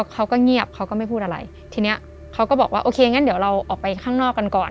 เขาก็เงียบเขาก็ไม่พูดอะไรทีนี้เขาก็บอกว่าโอเคงั้นเดี๋ยวเราออกไปข้างนอกกันก่อน